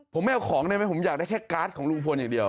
ผมไม่เอาของได้ไหมผมอยากได้แค่การ์ดของลุงพลอย่างเดียว